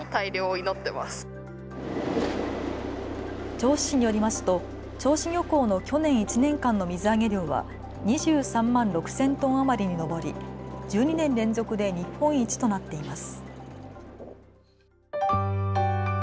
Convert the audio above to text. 銚子市によりますと銚子漁港の去年１年間の水揚げ量は２３万６０００トン余りに上り１２年連続で日本一となっています。